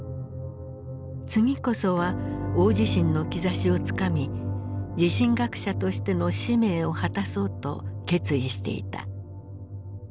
次こそは大地震の兆しをつかみ地震学者としての使命を果たそうと決意していた。